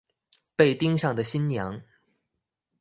被盯上的新娘